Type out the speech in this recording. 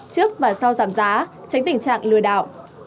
trước và sau giảm giá tránh tình trạng lừa đảo